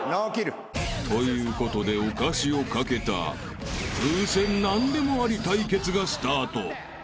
［ということでお菓子を懸けた風船なんでもあり対決がスタート］